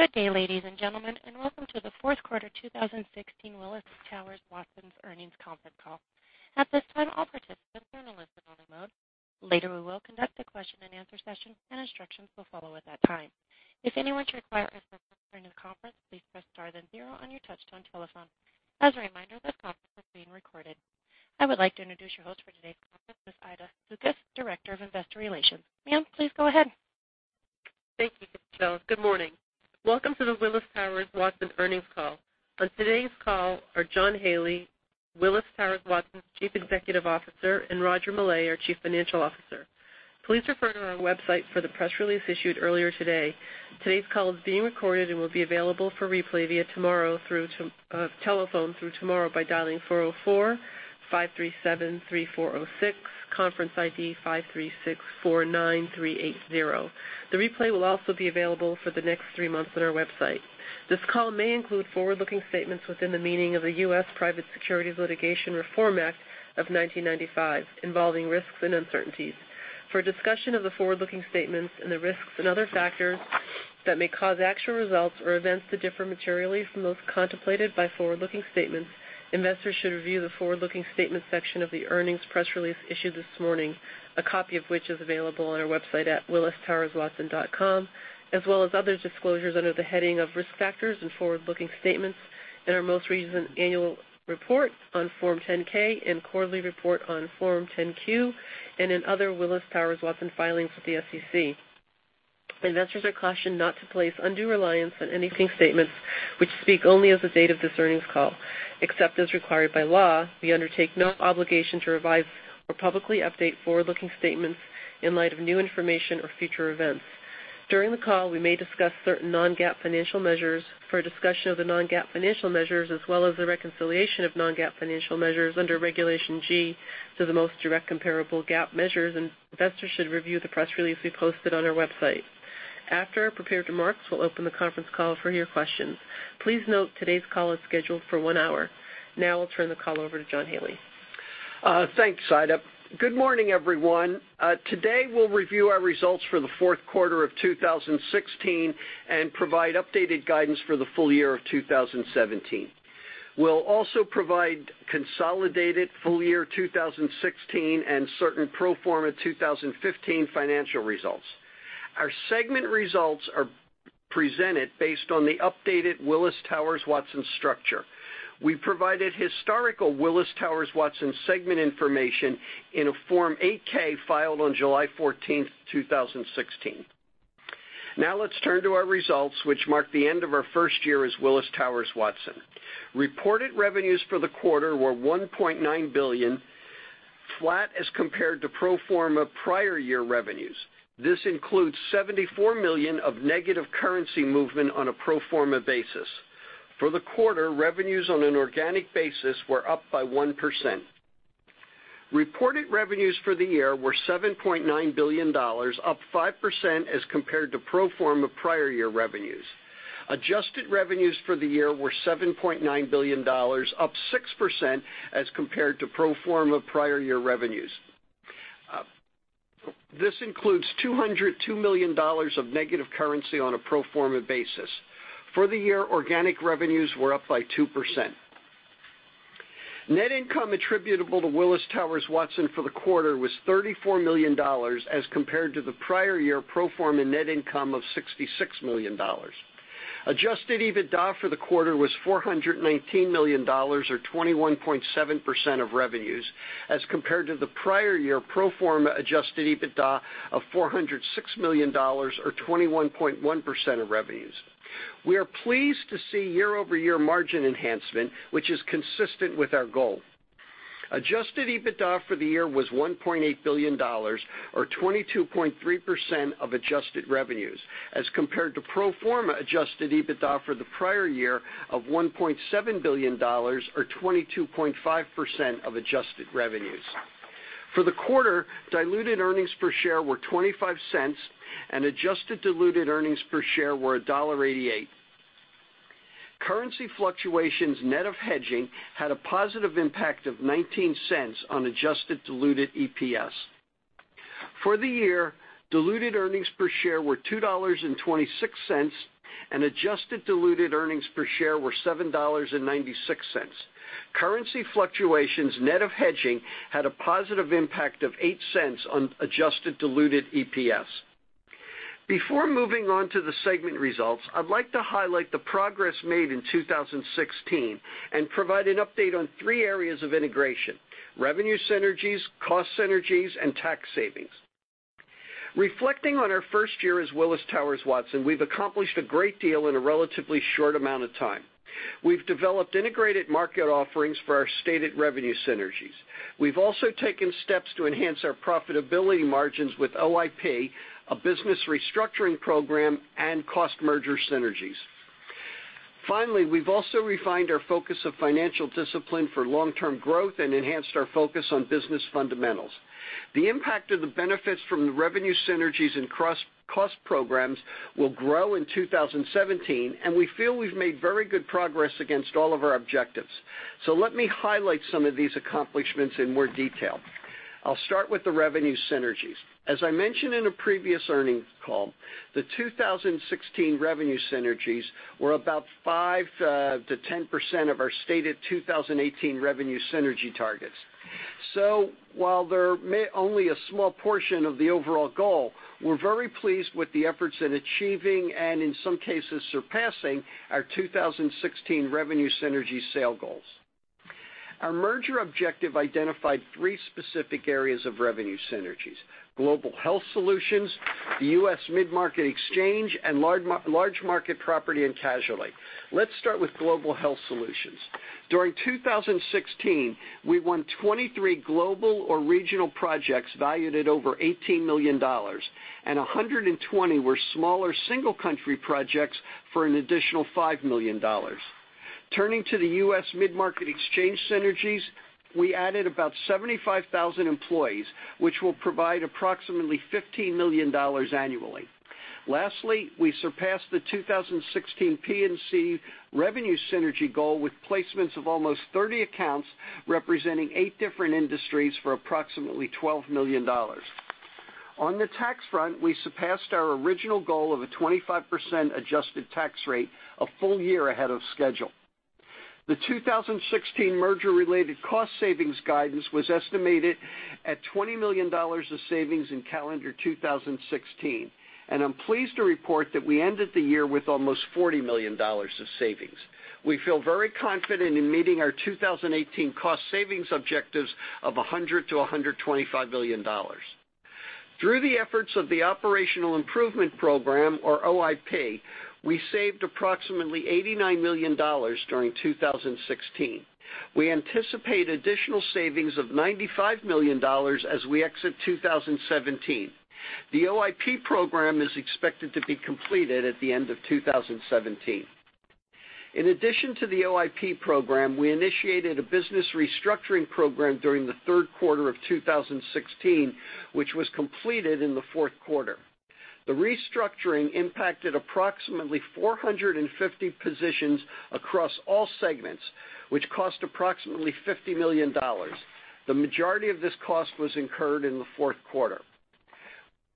Good day, ladies and gentlemen, and welcome to the fourth quarter 2016 Willis Towers Watson earnings conference call. At this time, all participants are in a listen-only mode. Later, we will conduct a question and answer session, and instructions will follow at that time. If anyone should require assistance during the conference, please press star then zero on your touch-tone telephone. As a reminder, this conference is being recorded. I would like to introduce your host for today's conference, Ms. Aida Reyes, Director of Investor Relations. Ma'am, please go ahead. Thank you, Michelle. Good morning. Welcome to the Willis Towers Watson earnings call. On today's call are John Haley, Willis Towers Watson's Chief Executive Officer, and Roger Millay, our Chief Financial Officer. Please refer to our website for the press release issued earlier today. Today's call is being recorded and will be available for replay via telephone through tomorrow by dialing 404-537-3406, conference ID 53649380. The replay will also be available for the next three months on our website. This call may include forward-looking statements within the meaning of the U.S. Private Securities Litigation Reform Act of 1995 involving risks and uncertainties. For a discussion of the forward-looking statements and the risks and other factors that may cause actual results or events to differ materially from those contemplated by forward-looking statements, investors should review the forward-looking statement section of the earnings press release issued this morning, a copy of which is available on our website at wtwco.com, as well as other disclosures under the heading of Risk Factors and Forward-Looking Statements in our most recent annual report on Form 10-K and quarterly report on Form 10-Q and in other Willis Towers Watson filings with the SEC. Investors are cautioned not to place undue reliance on any such statements which speak only as of the date of this earnings call. Except as required by law, we undertake no obligation to revise or publicly update forward-looking statements in light of new information or future events. During the call, we may discuss certain non-GAAP financial measures. For a discussion of the non-GAAP financial measures as well as the reconciliation of non-GAAP financial measures under Regulation G to the most direct comparable GAAP measures, investors should review the press release we posted on our website. After our prepared remarks, we'll open the conference call for your questions. Please note today's call is scheduled for one hour. I'll turn the call over to John Haley. Thanks, Aida. Good morning, everyone. Today, we'll review our results for the fourth quarter of 2016 and provide updated guidance for the full year of 2017. We'll also provide consolidated full-year 2016 and certain pro forma 2015 financial results. Our segment results are presented based on the updated Willis Towers Watson structure. We provided historical Willis Towers Watson segment information in a Form 8-K filed on July 14, 2016. Let's turn to our results, which mark the end of our first year as Willis Towers Watson. Reported revenues for the quarter were $1.9 billion, flat as compared to pro forma prior year revenues. This includes $74 million of negative currency movement on a pro forma basis. For the quarter, revenues on an organic basis were up by 1%. Reported revenues for the year were $7.9 billion, up 5% as compared to pro forma prior year revenues. Adjusted revenues for the year were $7.9 billion, up 6% as compared to pro forma prior year revenues. This includes $202 million of negative currency on a pro forma basis. For the year, organic revenues were up by 2%. Net income attributable to Willis Towers Watson for the quarter was $34 million as compared to the prior year pro forma net income of $66 million. Adjusted EBITDA for the quarter was $419 million or 21.7% of revenues as compared to the prior year pro forma adjusted EBITDA of $406 million or 21.1% of revenues. We are pleased to see year-over-year margin enhancement, which is consistent with our goal. Adjusted EBITDA for the year was $1.8 billion or 22.3% of adjusted revenues as compared to pro forma adjusted EBITDA for the prior year of $1.7 billion or 22.5% of adjusted revenues. For the quarter, diluted earnings per share were $0.25 and adjusted diluted earnings per share were $1.88. Currency fluctuations net of hedging had a positive impact of $0.19 on adjusted diluted EPS. For the year, diluted earnings per share were $2.26 and adjusted diluted earnings per share were $7.96. Currency fluctuations net of hedging had a positive impact of $0.08 on adjusted diluted EPS. Before moving on to the segment results, I'd like to highlight the progress made in 2016 and provide an update on three areas of integration, revenue synergies, cost synergies, and tax savings. Reflecting on our first year as Willis Towers Watson, we've accomplished a great deal in a relatively short amount of time. We've developed integrated market offerings for our stated revenue synergies. We've also taken steps to enhance our profitability margins with OIP, a business restructuring program, and cost merger synergies. We've also refined our focus of financial discipline for long-term growth and enhanced our focus on business fundamentals. The impact of the benefits from the revenue synergies and cost programs will grow in 2017. We feel we've made very good progress against all of our objectives. Let me highlight some of these accomplishments in more detail. I'll start with the revenue synergies. As I mentioned in a previous earnings call, the 2016 revenue synergies were about 5%-10% of our stated 2018 revenue synergy targets. While they're only a small portion of the overall goal, we're very pleased with the efforts in achieving, and in some cases, surpassing our 2016 revenue synergy sale goals. Our merger objective identified three specific areas of revenue synergies, global health solutions, the U.S. mid-market exchange, and large market property and casualty. Let's start with global health solutions. During 2016, we won 23 global or regional projects valued at over $18 million, and 120 were smaller single country projects for an additional $5 million. Turning to the U.S. mid-market exchange synergies, we added about 75,000 employees, which will provide approximately $15 million annually. Lastly, we surpassed the 2016 P&C revenue synergy goal with placements of almost 30 accounts representing eight different industries for approximately $12 million. On the tax front, we surpassed our original goal of a 25% adjusted tax rate a full year ahead of schedule. The 2016 merger-related cost savings guidance was estimated at $20 million of savings in calendar 2016, and I'm pleased to report that we ended the year with almost $40 million of savings. We feel very confident in meeting our 2018 cost savings objectives of $100 million-$125 million. Through the efforts of the Operational Improvement Program, or OIP, we saved approximately $89 million during 2016. We anticipate additional savings of $95 million as we exit 2017. The OIP program is expected to be completed at the end of 2017. In addition to the OIP program, we initiated a business restructuring program during the third quarter of 2016, which was completed in the fourth quarter. The restructuring impacted approximately 450 positions across all segments, which cost approximately $50 million. The majority of this cost was incurred in the fourth quarter.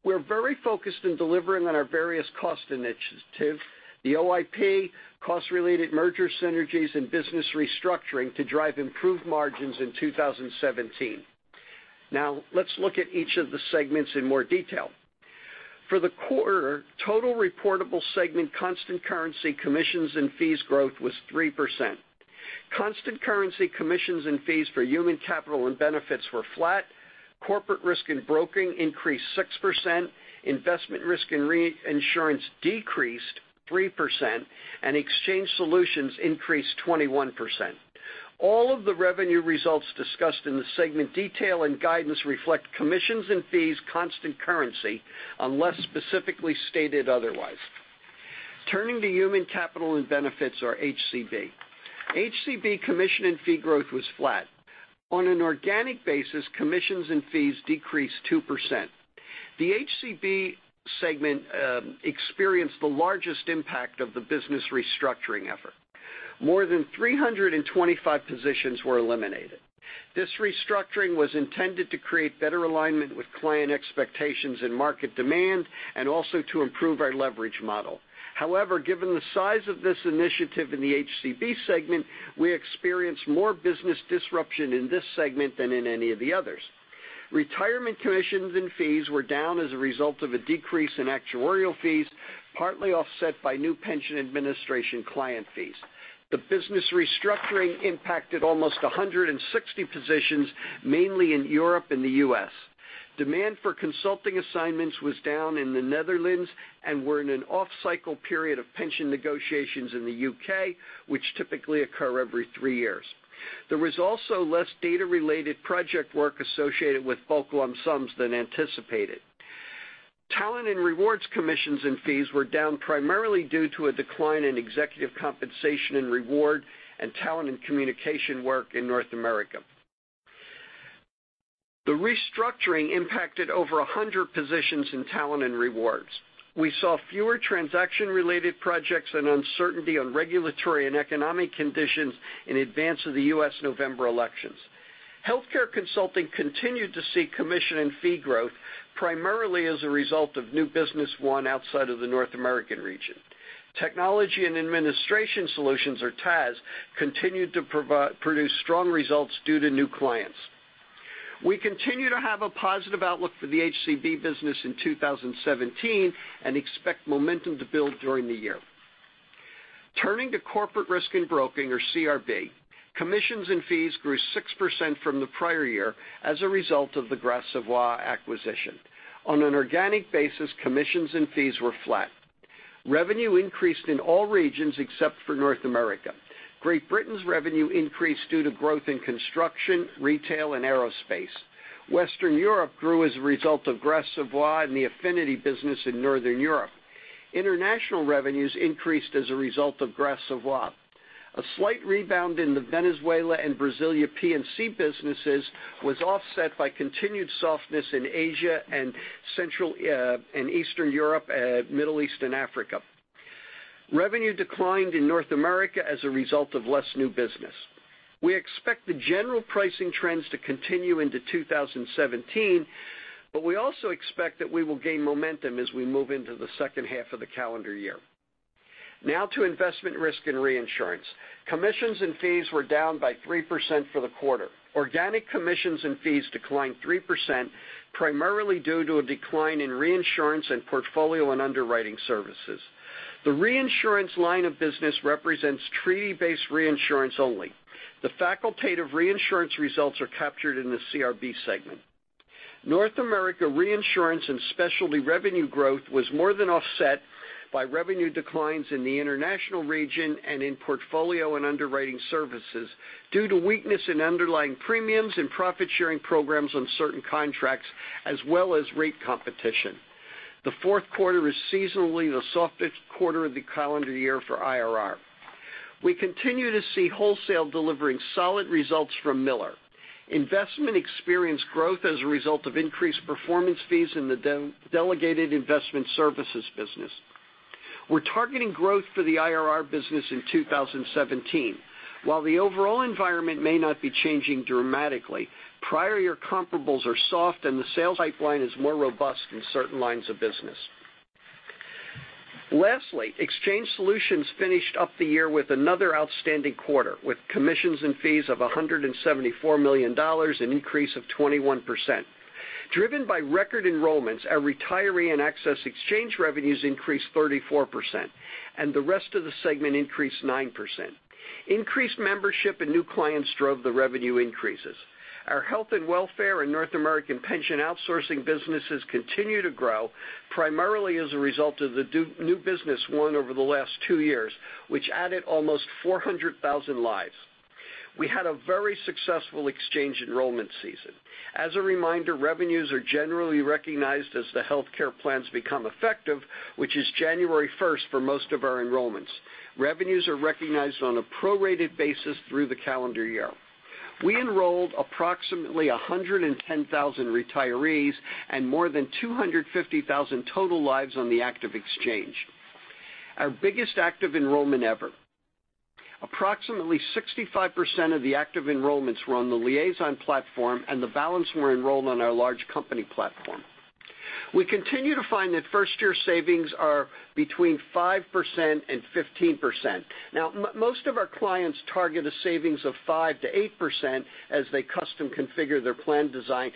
We're very focused on delivering on our various cost initiatives, the OIP, cost-related merger synergies, and business restructuring to drive improved margins in 2017. Now, let's look at each of the segments in more detail. For the quarter, total reportable segment constant currency commissions and fees growth was 3%. Constant currency commissions and fees for Human Capital & Benefits were flat. Corporate Risk and Broking increased 6%, Investment, Risk and Reinsurance decreased 3%, and Exchange Solutions increased 21%. All of the revenue results discussed in the segment detail and guidance reflect commissions and fees constant currency, unless specifically stated otherwise. Turning to Human Capital & Benefits, or HCB. HCB commission and fee growth was flat. On an organic basis, commissions and fees decreased 2%. The HCB segment experienced the largest impact of the business restructuring effort. More than 325 positions were eliminated. This restructuring was intended to create better alignment with client expectations and market demand and also to improve our leverage model. However, given the size of this initiative in the HCB segment, we experienced more business disruption in this segment than in any of the others. Retirement commissions and fees were down as a result of a decrease in actuarial fees, partly offset by new pension administration client fees. The business restructuring impacted almost 160 positions, mainly in Europe and the U.S. Demand for consulting assignments was down in the Netherlands and were in an off-cycle period of pension negotiations in the U.K., which typically occur every three years. There was also less data-related project work associated with bulk lump sums than anticipated. Talent and Rewards commissions and fees were down primarily due to a decline in executive compensation and reward and talent and communication work in North America. The restructuring impacted over 100 positions in Talent and Rewards. We saw fewer transaction-related projects and uncertainty on regulatory and economic conditions in advance of the U.S. November elections. Healthcare consulting continued to see commission and fee growth primarily as a result of new business won outside of the North American region. Technology and Administration Solutions, or TAS, continued to produce strong results due to new clients. We continue to have a positive outlook for the HCB business in 2017 and expect momentum to build during the year. Turning to Corporate Risk and Broking, or CRB, commissions and fees grew 6% from the prior year as a result of the Gras Savoye acquisition. On an organic basis, commissions and fees were flat. Revenue increased in all regions except for North America. Great Britain's revenue increased due to growth in construction, retail, and aerospace. Western Europe grew as a result of Gras Savoye and the affinity business in Northern Europe. International revenues increased as a result of Gras Savoye. A slight rebound in the Venezuela and Brazil P&C businesses was offset by continued softness in Asia and Central and Eastern Europe, Middle East, and Africa. Revenue declined in North America as a result of less new business. We expect the general pricing trends to continue into 2017. We also expect that we will gain momentum as we move into the second half of the calendar year. Now to Investment Risk and Reinsurance. Commissions and fees were down by 3% for the quarter. Organic commissions and fees declined 3%, primarily due to a decline in reinsurance and portfolio and underwriting services. The reinsurance line of business represents treaty-based reinsurance only. The facultative reinsurance results are captured in the CRB segment. North America reinsurance and specialty revenue growth was more than offset by revenue declines in the international region and in portfolio and underwriting services due to weakness in underlying premiums and profit-sharing programs on certain contracts, as well as rate competition. The fourth quarter is seasonally the softest quarter of the calendar year for IRR. We continue to see wholesale delivering solid results from Miller. Investment experienced growth as a result of increased performance fees in the delegated investment services business. We're targeting growth for the IRR business in 2017. While the overall environment may not be changing dramatically, prior year comparables are soft, and the sales pipeline is more robust in certain lines of business. Lastly, Exchange Solutions finished up the year with another outstanding quarter, with commissions and fees of $174 million, an increase of 21%. Driven by record enrollments, our retiree and actives exchange revenues increased 34%, and the rest of the segment increased 9%. Increased membership and new clients drove the revenue increases. Our health and welfare and North American pension outsourcing businesses continue to grow, primarily as a result of the new business won over the last two years, which added almost 400,000 lives. We had a very successful exchange enrollment season. As a reminder, revenues are generally recognized as the healthcare plans become effective, which is January 1st for most of our enrollments. Revenues are recognized on a prorated basis through the calendar year. We enrolled approximately 110,000 retirees and more than 250,000 total lives on the active exchange, our biggest active enrollment ever. Approximately 65% of the active enrollments were on the Liaison platform, and the balance were enrolled on our large company platform. We continue to find that first-year savings are between 5% and 15%. Most of our clients target a savings of 5% to 8% as they custom configure their plan design.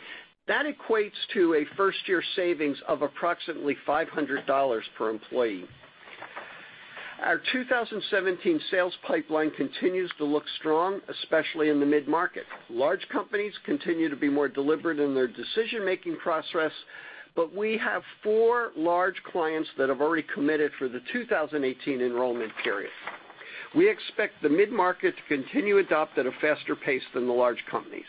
That equates to a first-year savings of approximately $500 per employee. Our 2017 sales pipeline continues to look strong, especially in the mid-market. Large companies continue to be more deliberate in their decision-making process, but we have four large clients that have already committed for the 2018 enrollment period. We expect the mid-market to continue to adopt at a faster pace than the large companies.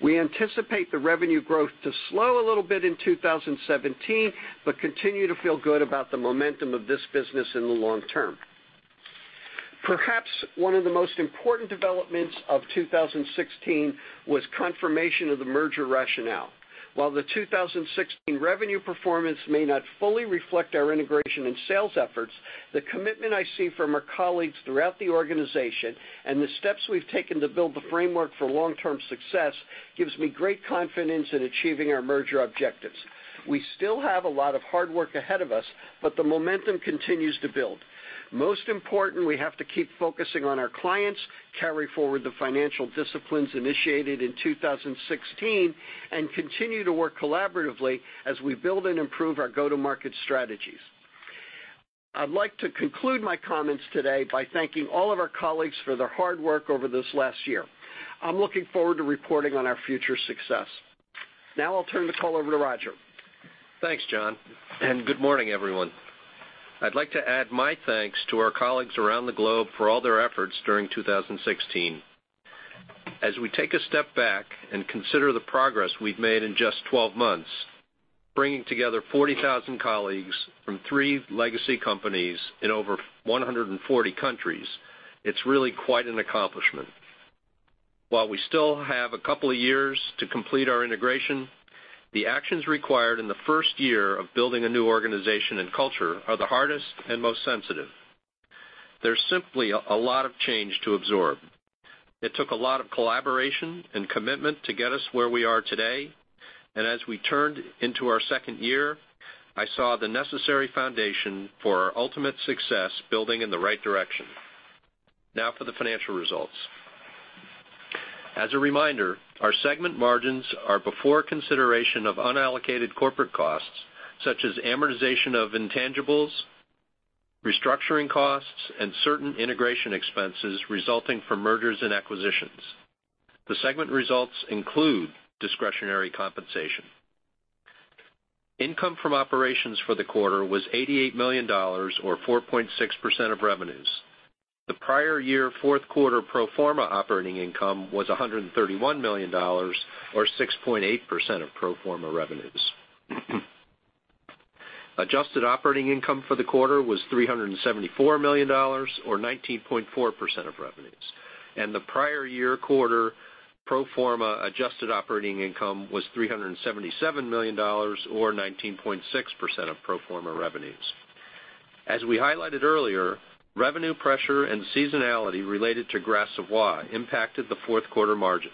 We anticipate the revenue growth to slow a little bit in 2017, but continue to feel good about the momentum of this business in the long term. Perhaps one of the most important developments of 2016 was confirmation of the merger rationale. While the 2016 revenue performance may not fully reflect our integration and sales efforts, the commitment I see from our colleagues throughout the organization and the steps we've taken to build the framework for long-term success gives me great confidence in achieving our merger objectives. We still have a lot of hard work ahead of us, but the momentum continues to build. Most important, we have to keep focusing on our clients, carry forward the financial disciplines initiated in 2016, and continue to work collaboratively as we build and improve our go-to-market strategies. I'd like to conclude my comments today by thanking all of our colleagues for their hard work over this last year. I'm looking forward to reporting on our future success. I'll turn the call over to Roger. Thanks, John, and good morning, everyone. I'd like to add my thanks to our colleagues around the globe for all their efforts during 2016. As we take a step back and consider the progress we've made in just 12 months, bringing together 40,000 colleagues from three legacy companies in over 140 countries, it's really quite an accomplishment. While we still have a couple of years to complete our integration, the actions required in the first year of building a new organization and culture are the hardest and most sensitive. There's simply a lot of change to absorb. It took a lot of collaboration and commitment to get us where we are today, and as we turned into our second year, I saw the necessary foundation for our ultimate success building in the right direction. For the financial results. As a reminder, our segment margins are before consideration of unallocated corporate costs, such as amortization of intangibles, restructuring costs, and certain integration expenses resulting from mergers and acquisitions. The segment results include discretionary compensation. Income from operations for the quarter was $88 million, or 4.6% of revenues. The prior year fourth quarter pro forma operating income was $131 million, or 6.8% of pro forma revenues. Adjusted operating income for the quarter was $374 million, or 19.4% of revenues. The prior year quarter pro forma adjusted operating income was $377 million, or 19.6% of pro forma revenues. As we highlighted earlier, revenue pressure and seasonality related to Gras Savoye impacted the fourth quarter margin.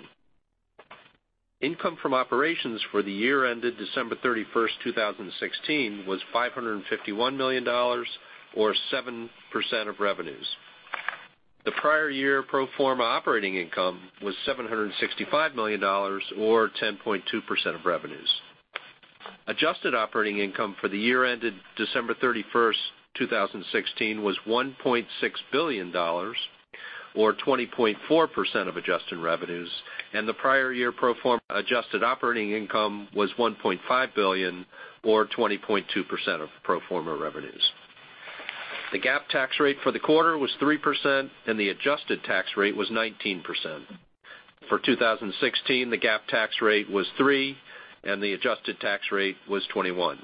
Income from operations for the year ended December 31st, 2016, was $551 million or 7% of revenues. The prior year pro forma operating income was $765 million or 10.2% of revenues. Adjusted operating income for the year ended December 31st, 2016, was $1.6 billion or 20.4% of adjusted revenues, and the prior year pro forma adjusted operating income was $1.5 billion or 20.2% of pro forma revenues. The GAAP tax rate for the quarter was 3% and the adjusted tax rate was 19%. For 2016, the GAAP tax rate was 3% and the adjusted tax rate was 21%.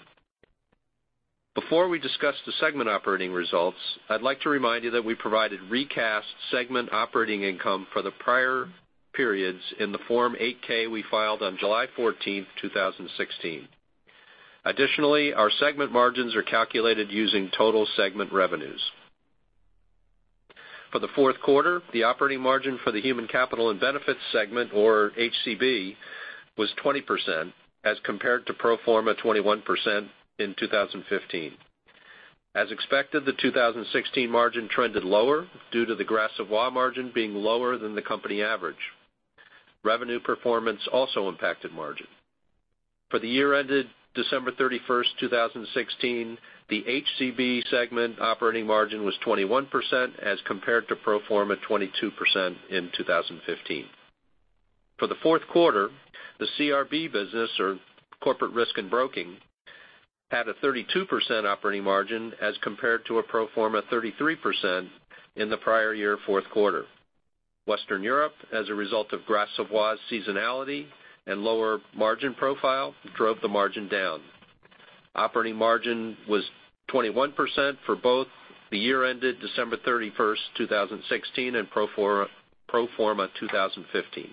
Before we discuss the segment operating results, I'd like to remind you that we provided recast segment operating income for the prior periods in the Form 8-K we filed on July 14th, 2016. Additionally, our segment margins are calculated using total segment revenues. For the fourth quarter, the operating margin for the Human Capital and Benefits segment or HCB, was 20% as compared to pro forma 21% in 2015. As expected, the 2016 margin trended lower due to the Gras Savoye margin being lower than the company average. Revenue performance also impacted margin. For the year ended December 31st, 2016, the HCB segment operating margin was 21% as compared to pro forma 22% in 2015. For the fourth quarter, the CRB business or Corporate Risk and Broking, had a 32% operating margin as compared to a pro forma 33% in the prior year fourth quarter. Western Europe, as a result of Gras Savoye's seasonality and lower margin profile, drove the margin down. Operating margin was 21% for both the year ended December 31st, 2016, and pro forma 2015.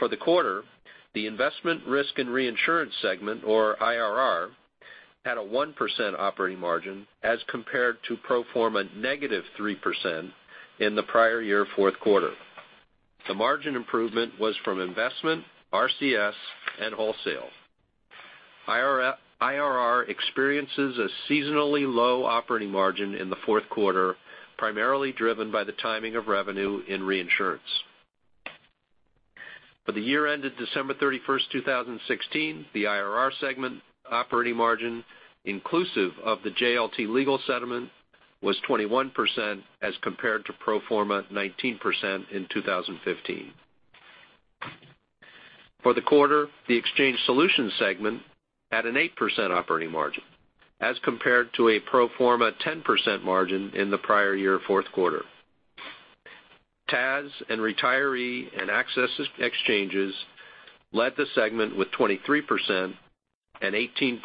For the quarter, the Investment, Risk, and Reinsurance segment or IRR, had a 1% operating margin as compared to pro forma negative 3% in the prior year fourth quarter. The margin improvement was from investment, RCS, and wholesale. IRR experiences a seasonally low operating margin in the fourth quarter, primarily driven by the timing of revenue in reinsurance. For the year ended December 31st, 2016, the IRR segment operating margin, inclusive of the JLT Legal settlement, was 21% as compared to pro forma 19% in 2015. For the quarter, the Exchange Solutions segment at an 8% operating margin, as compared to a pro forma 10% margin in the prior year fourth quarter. TAS and retiree and actives exchanges led the segment with 23% and 18%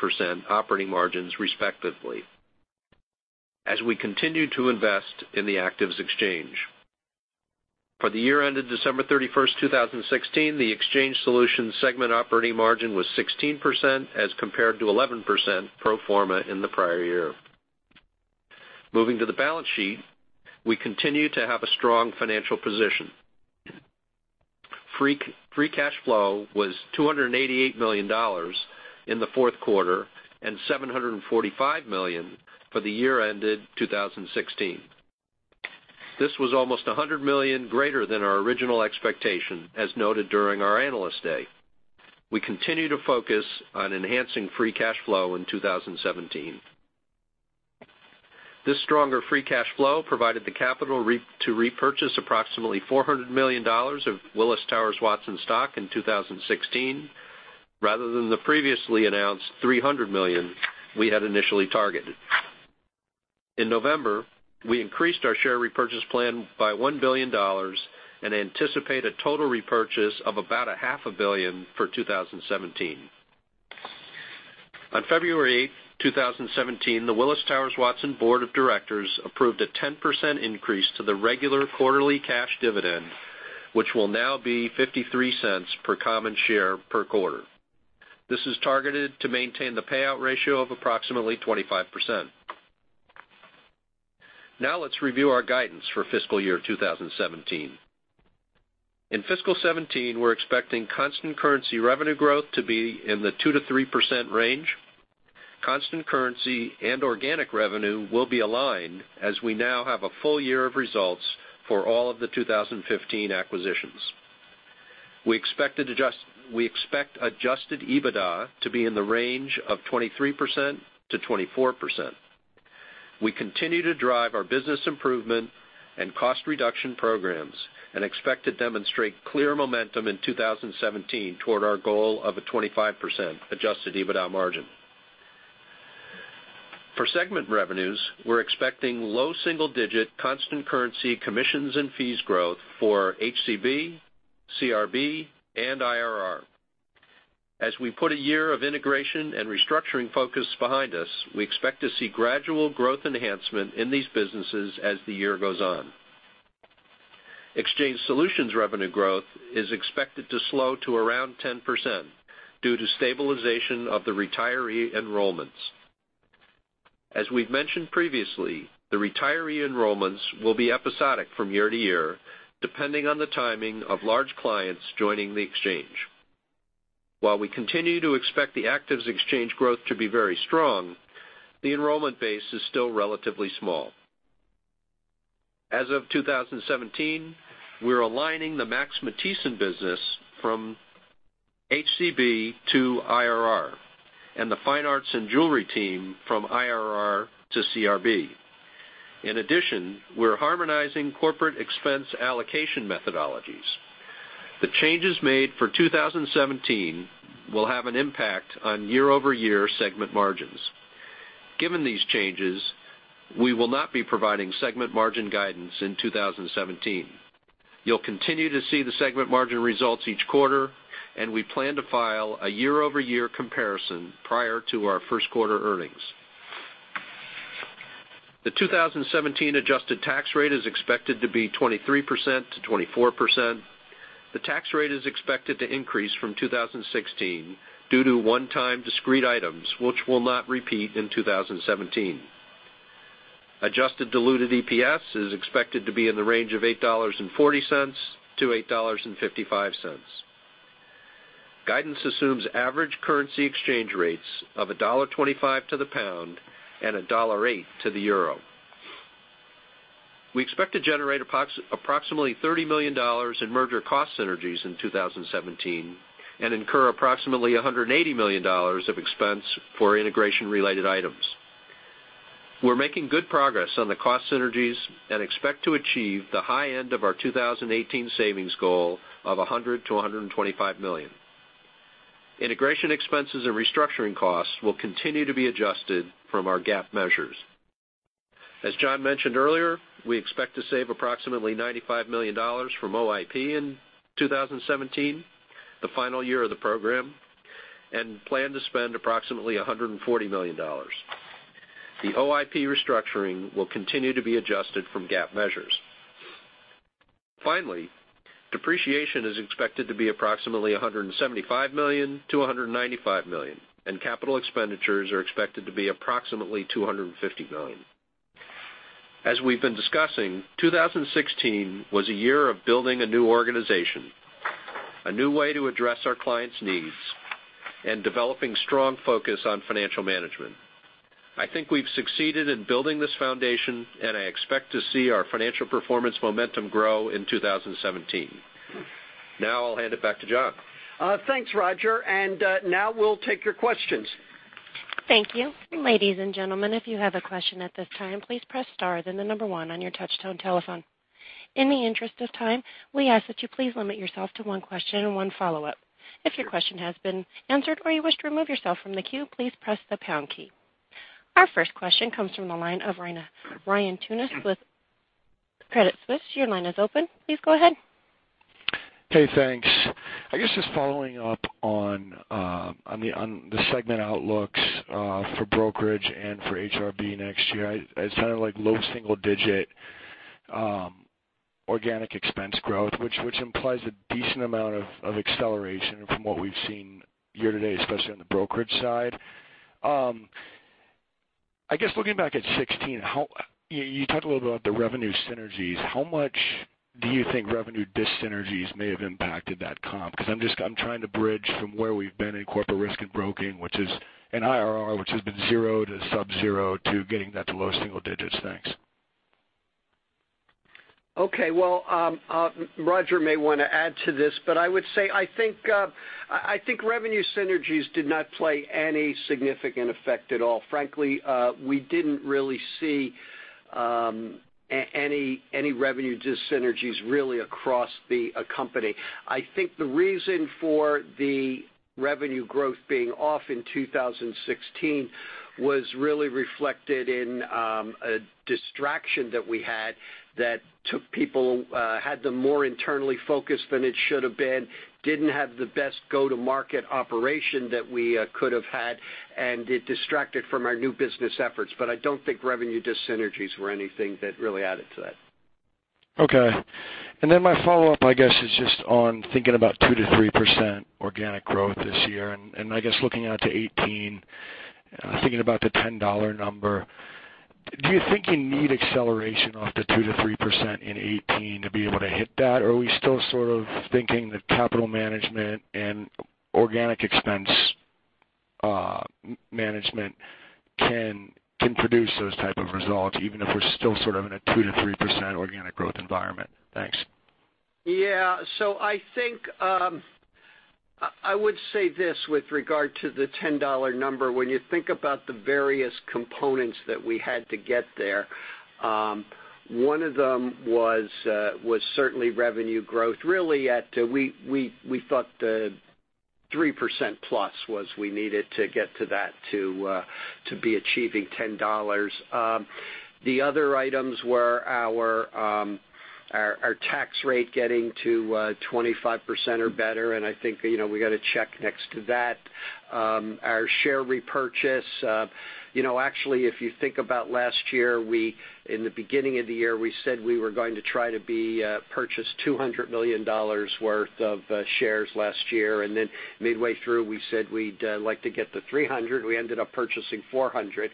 operating margins respectively as we continue to invest in the actives exchange. For the year ended December 31st, 2016, the Exchange Solutions segment operating margin was 16% as compared to 11% pro forma in the prior year. Moving to the balance sheet, we continue to have a strong financial position. Free cash flow was $288 million in the fourth quarter, and $745 million for the year ended 2016. This was almost $100 million greater than our original expectation, as noted during our Analyst Day. We continue to focus on enhancing free cash flow in 2017. This stronger free cash flow provided the capital to repurchase approximately $400 million of Willis Towers Watson stock in 2016, rather than the previously announced $300 million we had initially targeted. In November, we increased our share repurchase plan by $1 billion and anticipate a total repurchase of about a half a billion for 2017. On February 8th, 2017, the Willis Towers Watson Board of Directors approved a 10% increase to the regular quarterly cash dividend, which will now be $0.53 per common share per quarter. This is targeted to maintain the payout ratio of approximately 25%. Let's review our guidance for fiscal year 2017. In fiscal 2017, we're expecting constant currency revenue growth to be in the 2%-3% range. Constant currency and organic revenue will be aligned as we now have a full year of results for all of the 2015 acquisitions. We expect adjusted EBITDA to be in the range of 23%-24%. We continue to drive our business improvement and cost reduction programs and expect to demonstrate clear momentum in 2017 toward our goal of a 25% adjusted EBITDA margin. For segment revenues, we're expecting low single-digit constant currency commissions and fees growth for HCB, CRB, and IRR. As we put a year of integration and restructuring focus behind us, we expect to see gradual growth enhancement in these businesses as the year goes on. Exchange Solutions revenue growth is expected to slow to around 10% due to stabilization of the retiree enrollments. As we've mentioned previously, the retiree enrollments will be episodic from year to year, depending on the timing of large clients joining the exchange. While we continue to expect the actives exchange growth to be very strong, the enrollment base is still relatively small. As of 2017, we're aligning the Max Matthiessen business from HCB to IRR, and the fine arts and jewelry team from IRR to CRB. In addition, we're harmonizing corporate expense allocation methodologies. The changes made for 2017 will have an impact on year-over-year segment margins. Given these changes, we will not be providing segment margin guidance in 2017. You'll continue to see the segment margin results each quarter, and we plan to file a year-over-year comparison prior to our first quarter earnings. The 2017 adjusted tax rate is expected to be 23%-24%. The tax rate is expected to increase from 2016 due to one-time discrete items, which will not repeat in 2017. Adjusted diluted EPS is expected to be in the range of $8.40-$8.55. Guidance assumes average currency exchange rates of $1.25 to the GBP and $1.08 to the EUR. We expect to generate approximately $30 million in merger cost synergies in 2017 and incur approximately $180 million of expense for integration-related items. We're making good progress on the cost synergies and expect to achieve the high end of our 2018 savings goal of $100 million-$125 million. Integration expenses and restructuring costs will continue to be adjusted from our GAAP measures. As John mentioned earlier, we expect to save approximately $95 million from OIP in 2017, the final year of the program, and plan to spend approximately $140 million. The OIP restructuring will continue to be adjusted from GAAP measures. Finally, depreciation is expected to be approximately $175 million-$195 million, and capital expenditures are expected to be approximately $250 million. As we've been discussing, 2016 was a year of building a new organization, a new way to address our clients' needs, and developing strong focus on financial management. I think we've succeeded in building this foundation, and I expect to see our financial performance momentum grow in 2017. I'll hand it back to John. Thanks, Roger. Now we'll take your questions. Thank you. Ladies and gentlemen, if you have a question at this time, please press star, then 1 on your touch-tone telephone. In the interest of time, we ask that you please limit yourself to one question and one follow-up. If your question has been answered or you wish to remove yourself from the queue, please press the pound key. Our first question comes from the line of Ryan Tunis with Credit Suisse. Your line is open. Please go ahead. Hey, thanks. I guess just following up on the segment outlooks for brokerage and for HCB next year. It's kind of low single-digit organic expense growth, which implies a decent amount of acceleration from what we've seen year-to-date, especially on the brokerage side. I guess looking back at 2016, you talked a little bit about the revenue synergies. How much do you think revenue dyssynergies may have impacted that comp? Because I'm trying to bridge from where we've been in Corporate Risk and Broking, which is an IRR, which has been zero to sub-zero to getting that to low single-digits. Thanks. Okay. Well, Roger may want to add to this, but I would say, I think revenue synergies did not play any significant effect at all. Frankly, we didn't really see any revenue dyssynergies really across the company. I think the reason for the revenue growth being off in 2016 was really reflected in a distraction that we had that took people, had them more internally focused than it should have been, didn't have the best go-to-market operation that we could have had, and it distracted from our new business efforts. I don't think revenue dyssynergies were anything that really added to that. Okay. My follow-up, I guess, is just on thinking about 2%-3% organic growth this year. Looking out to 2018, thinking about the $10 number, do you think you need acceleration off the 2%-3% in 2018 to be able to hit that? Or are we still sort of thinking that capital management and organic expense management can produce those type of results, even if we're still sort of in a 2%-3% organic growth environment? Thanks. Yeah. I think I would say this with regard to the $10 number. When you think about the various components that we had to get there, one of them was certainly revenue growth, really at we thought the 3% plus was we needed to get to that to be achieving $10. The other items were our tax rate getting to 25% or better. I think we got a check next to that. Our share repurchase. Actually, if you think about last year, in the beginning of the year, we said we were going to try to purchase $200 million worth of shares last year. Midway through, we said we'd like to get to $300 million. We ended up purchasing $400 million.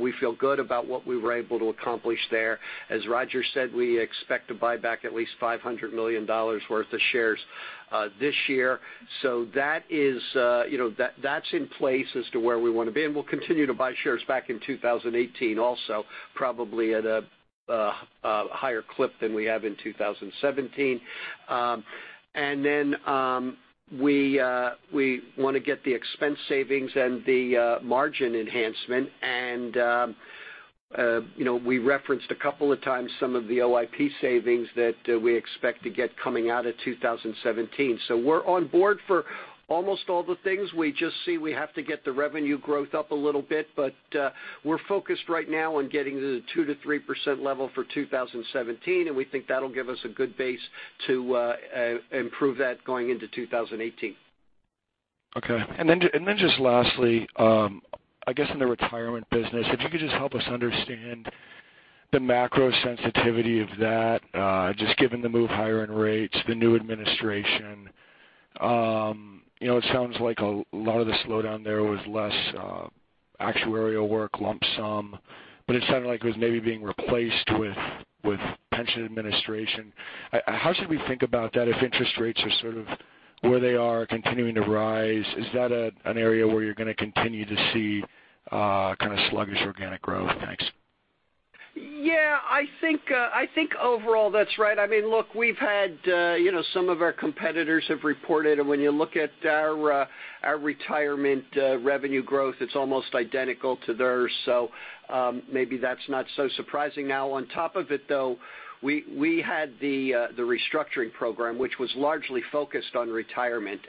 We feel good about what we were able to accomplish there. As Roger said, we expect to buy back at least $500 million worth of shares this year. That's in place as to where we want to be. We'll continue to buy shares back in 2018 also, probably at a higher clip than we have in 2017. We want to get the expense savings and the margin enhancement. We referenced a couple of times some of the OIP savings that we expect to get coming out of 2017. We're on board for almost all the things. We just see we have to get the revenue growth up a little bit. We're focused right now on getting to the 2%-3% level for 2017. We think that'll give us a good base to improve that going into 2018. Okay. Just lastly, I guess in the retirement business, if you could just help us understand the macro sensitivity of that, just given the move higher in rates, the new administration. It sounds like a lot of the slowdown there was less actuarial work, lump sum, but it sounded like it was maybe being replaced with pension administration. How should we think about that if interest rates are sort of where they are continuing to rise? Is that an area where you're going to continue to see kind of sluggish organic growth? Thanks. Yeah, I think overall that's right. Look, some of our competitors have reported. When you look at our retirement revenue growth, it's almost identical to theirs. Maybe that's not so surprising now. On top of it, though, we had the restructuring program, which was largely focused on retirement.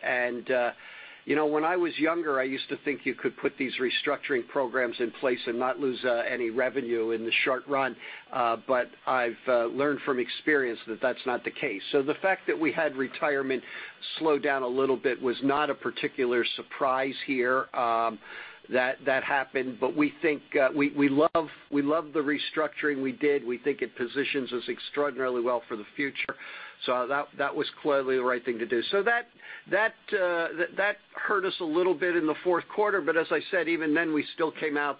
When I was younger, I used to think you could put these restructuring programs in place and not lose any revenue in the short run. I've learned from experience that that's not the case. The fact that we had retirement slow down a little bit was not a particular surprise here that happened. We love the restructuring we did. We think it positions us extraordinarily well for the future. That was clearly the right thing to do. That hurt us a little bit in the fourth quarter. As I said, even then, we still came out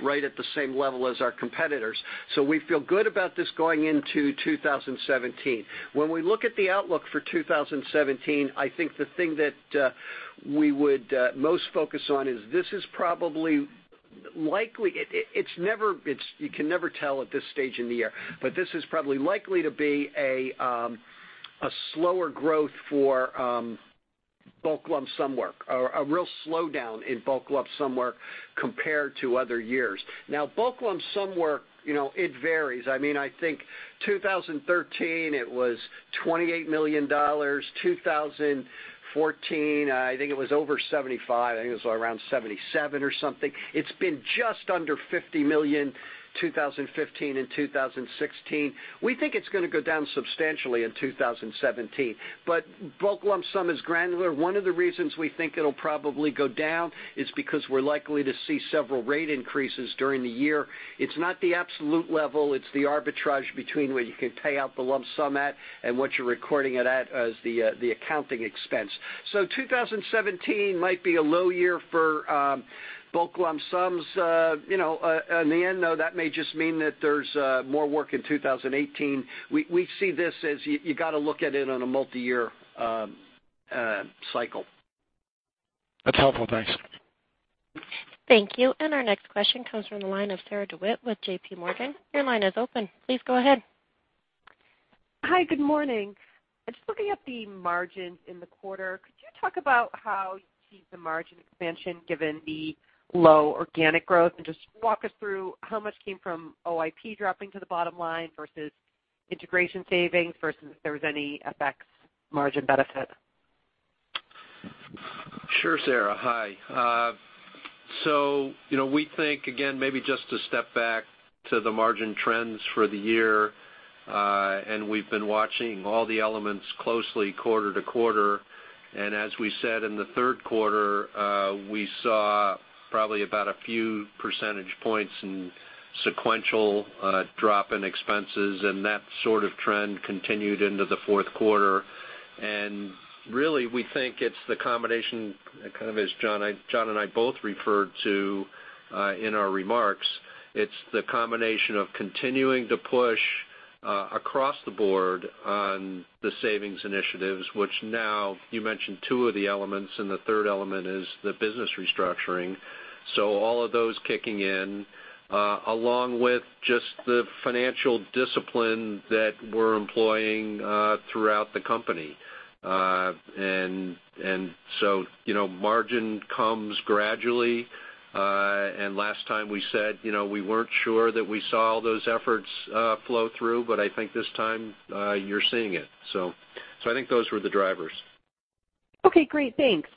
right at the same level as our competitors. We feel good about this going into 2017. When we look at the outlook for 2017, I think the thing that we would most focus on is this is probably likely, you can never tell at this stage in the year. This is probably likely to be a slower growth for bulk lump sum work or a real slowdown in bulk lump sum work compared to other years. Bulk lump sum work it varies. I think 2013, it was $28 million. 2014, I think it was over $75 million. I think it was around $77 million or something. It's been just under $50 million, 2015 and 2016. We think it's going to go down substantially in 2017. Bulk lump sum is granular. One of the reasons we think it'll probably go down is because we're likely to see several rate increases during the year. It's not the absolute level, it's the arbitrage between where you can pay out the lump sum at and what you're recording it at as the accounting expense. 2017 might be a low year for bulk lump sums. In the end, though, that may just mean that there's more work in 2018. We see this as you got to look at it on a multi-year cycle. That's helpful. Thanks. Thank you. Our next question comes from the line of Sarah DeWitt with J.P. Morgan. Your line is open. Please go ahead. Hi, good morning. Just looking at the margins in the quarter, could you talk about how you achieved the margin expansion given the low organic growth? Just walk us through how much came from OIP dropping to the bottom line versus integration savings versus if there was any FX margin benefit? Sure, Sarah. Hi. We think, again, maybe just to step back to the margin trends for the year, we've been watching all the elements closely quarter-to-quarter. As we said in the third quarter, we saw probably about a few percentage points in sequential drop in expenses, that sort of trend continued into the fourth quarter. Really, we think it's the combination, kind of as John and I both referred to in our remarks, it's the combination of continuing to push across the board on the savings initiatives, which now you mentioned two of the elements, the third element is the business restructuring. All of those kicking in, along with just the financial discipline that we're employing throughout the company. Margin comes gradually. Last time we said we weren't sure that we saw all those efforts flow through, I think this time you're seeing it. I think those were the drivers. Okay, great. Thanks.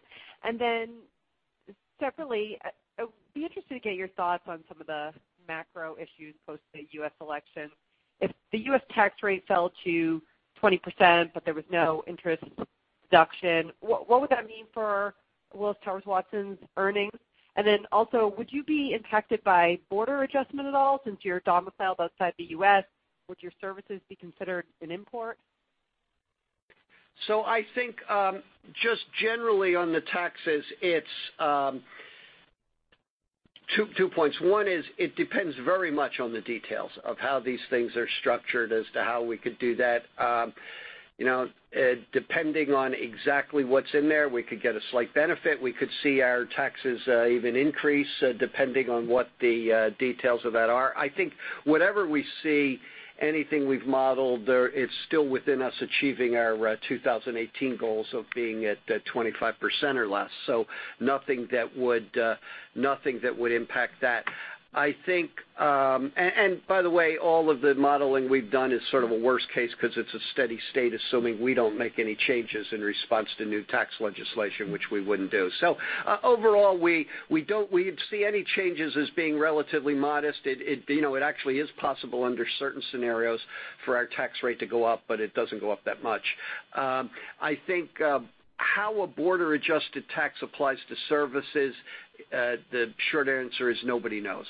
Separately, I would be interested to get your thoughts on some of the macro issues post the U.S. election. If the U.S. tax rate fell to 20%, but there was no interest deduction, what would that mean for Willis Towers Watson's earnings? Also, would you be impacted by border adjustment at all since you're domiciled outside the U.S.? Would your services be considered an import? I think, just generally on the taxes, two points. One is, it depends very much on the details of how these things are structured as to how we could do that. Depending on exactly what's in there, we could get a slight benefit. We could see our taxes even increase, depending on what the details of that are. I think whatever we see, anything we've modeled there, it's still within us achieving our 2018 goals of being at 25% or less. Nothing that would impact that. By the way, all of the modeling we've done is sort of a worst case because it's a steady state, assuming we don't make any changes in response to new tax legislation, which we wouldn't do. Overall, we'd see any changes as being relatively modest. It actually is possible under certain scenarios for our tax rate to go up, but it doesn't go up that much. I think how a border-adjusted tax applies to services, the short answer is nobody knows.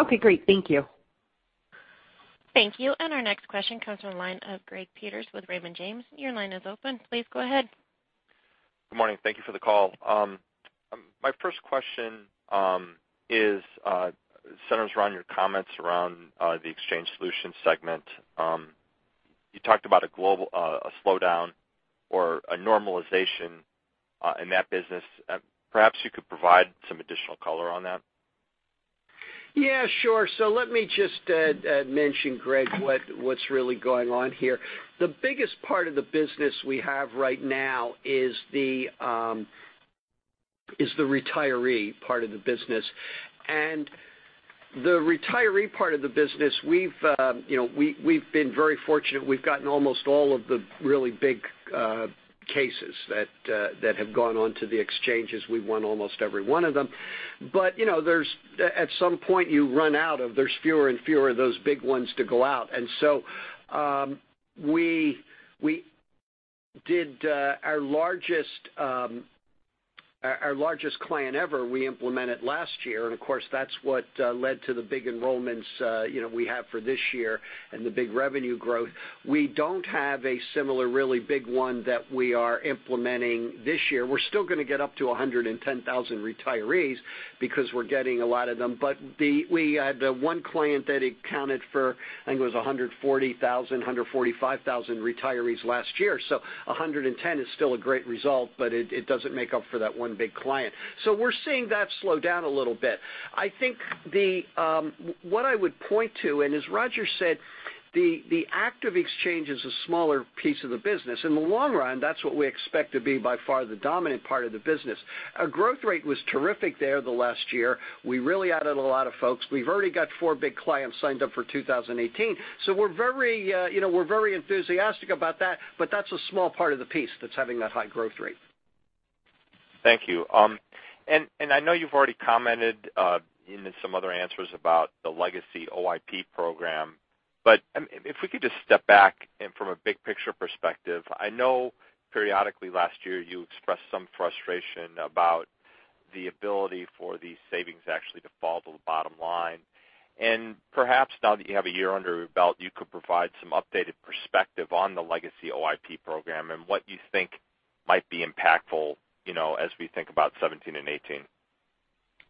Okay, great. Thank you. Thank you. Our next question comes from the line of Gregory Peters with Raymond James. Your line is open. Please go ahead. Good morning. Thank you for the call. My first question centers around your comments around the Exchange Solutions segment. You talked about a slowdown or a normalization in that business. Perhaps you could provide some additional color on that. Yeah, sure. Let me just mention, Greg, what's really going on here. The biggest part of the business we have right now is the retiree part of the business. The retiree part of the business, we've been very fortunate. We've gotten almost all of the really big cases that have gone on to the exchanges. We won almost every one of them. At some point, you run out of, there's fewer and fewer of those big ones to go out. We did our largest client ever, we implemented last year, and of course, that's what led to the big enrollments we have for this year and the big revenue growth. We don't have a similar really big one that we are implementing this year. We're still going to get up to 110,000 retirees because we're getting a lot of them. We had the one client that accounted for, I think it was 140,000, 145,000 retirees last year. 110 is still a great result, but it doesn't make up for that one big client. We're seeing that slow down a little bit. I think what I would point to, and as Roger said, the active exchange is a smaller piece of the business. In the long run, that's what we expect to be by far the dominant part of the business. Our growth rate was terrific there the last year. We really added a lot of folks. We've already got four big clients signed up for 2018. We're very enthusiastic about that, but that's a small part of the piece that's having that high growth rate. Thank you. I know you've already commented in some other answers about the legacy OIP program. If we could just step back and from a big picture perspective, I know periodically last year you expressed some frustration about the ability for these savings actually to fall to the bottom line. Perhaps now that you have a year under your belt, you could provide some updated perspective on the legacy OIP program and what you think might be impactful as we think about 2017 and 2018.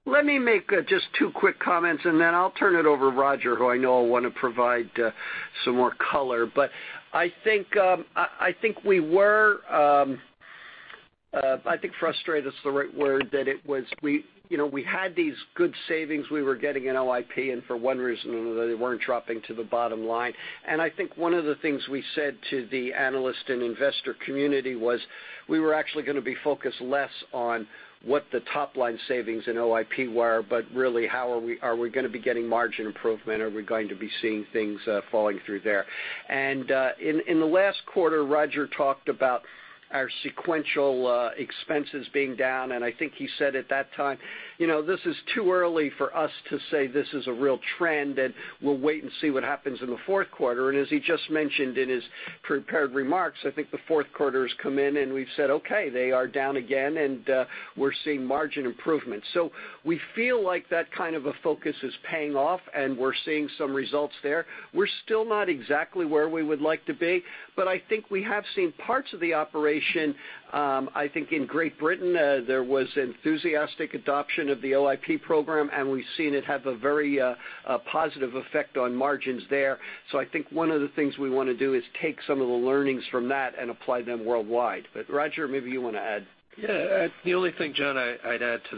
Let me make just two quick comments, and then I'll turn it over to Roger, who I know will want to provide some more color. I think frustrated is the right word, that we had these good savings we were getting in OIP, and for one reason or another, they weren't dropping to the bottom line. I think one of the things we said to the analyst and investor community was we were actually going to be focused less on what the top-line savings in OIP were, but really are we going to be getting margin improvement? Are we going to be seeing things falling through there? In the last quarter, Roger talked about our sequential expenses being down, and I think he said at that time, "This is too early for us to say this is a real trend, and we'll wait and see what happens in the fourth quarter." As he just mentioned in his prepared remarks, I think the fourth quarter has come in, and we've said, "Okay, they are down again, and we're seeing margin improvement." We feel like that kind of a focus is paying off, and we're seeing some results there. We're still not exactly where we would like to be, but I think we have seen parts of the operation. I think in Great Britain, there was enthusiastic adoption of the OIP program, and we've seen it have a very positive effect on margins there. I think one of the things we want to do is take some of the learnings from that and apply them worldwide. Roger, maybe you want to add. Yeah. The only thing, John, I'd add to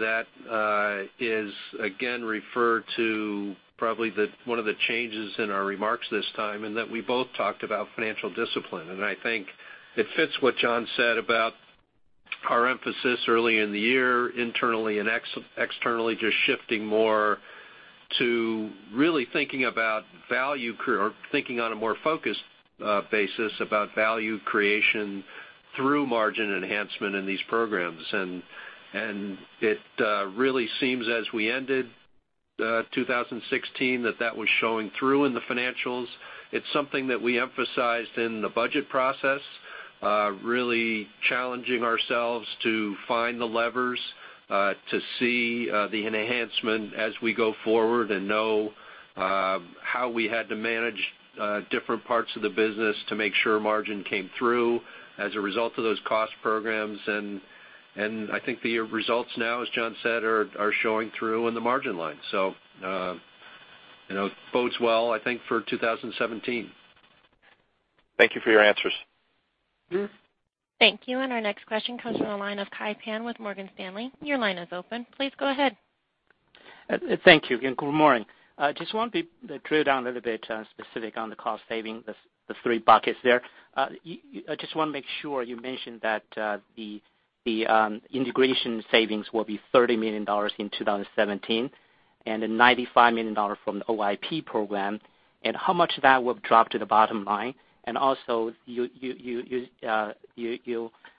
that is, again, refer to probably one of the changes in our remarks this time, that we both talked about financial discipline. I think it fits what John said about our emphasis early in the year, internally and externally, just shifting more to really thinking on a more focused basis about value creation through margin enhancement in these programs. It really seems as we ended 2016 that that was showing through in the financials. It's something that we emphasized in the budget process, really challenging ourselves to find the levers, to see the enhancement as we go forward and know how we had to manage different parts of the business to make sure margin came through as a result of those cost programs. I think the results now, as John said, are showing through in the margin line. It bodes well, I think, for 2017. Thank you for your answers. Thank you. Our next question comes from the line of Kai Pan with Morgan Stanley. Your line is open. Please go ahead. Thank you, and good morning. Just want to drill down a little bit specific on the cost saving, the three buckets there. I just want to make sure you mentioned that the integration savings will be $30 million in 2017 and then $95 million from the OIP program. How much of that will drop to the bottom line? You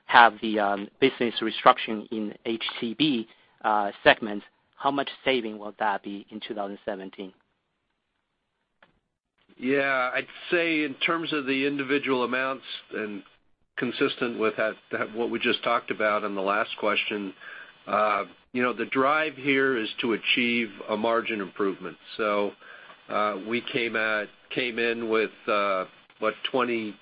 have the business restructuring in HCB segment. How much saving will that be in 2017? I'd say in terms of the individual amounts and consistent with what we just talked about in the last question, the drive here is to achieve a margin improvement. We came in with what? 22.3%,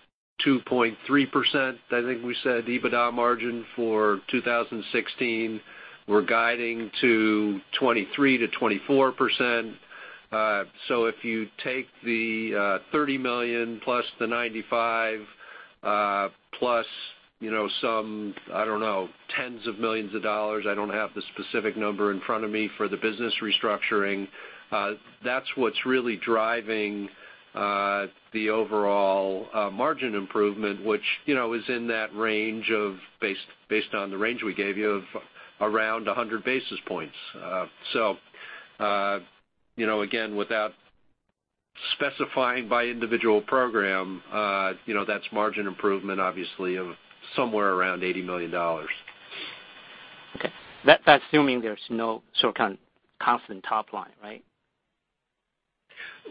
I think we said, EBITDA margin for 2016. We're guiding to 23%-24%. If you take the $30 million plus the $95 plus some, I don't know, tens of millions of dollars, I don't have the specific number in front of me for the business restructuring. That's what's really driving the overall margin improvement, which is in that range of, based on the range we gave you, of around 100 basis points. Again, without specifying by individual program, that's margin improvement, obviously, of somewhere around $80 million. Okay. That's assuming there's no sort of constant top line, right?